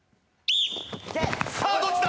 さあどっちだ？